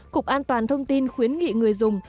cục an toàn thông tin khuyến nghị người dùng